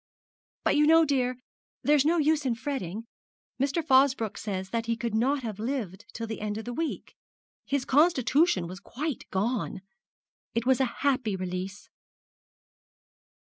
But you know, dear, there's no use in fretting. Mr. Fosbroke says that he could not have lived till the end of the week. His constitution was quite gone. It was a happy release.'